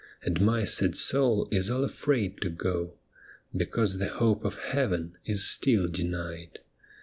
And my sad soul is all afraid to go, Because the hope of Heaven is still denied.